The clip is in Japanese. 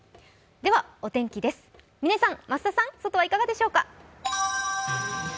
お天気です、嶺さん、増田さん外はどうでしょうか？